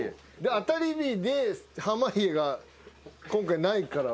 当たり日で濱家が今回ないから。